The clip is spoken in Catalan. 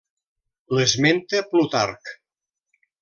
L'esmenta Plutarc.